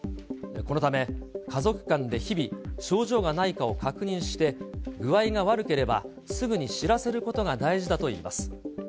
このため、家族間で日々症状がないかを確認して、具合が悪ければすぐに知らせることが大事だといいます。